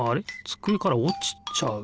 つくえからおちちゃう。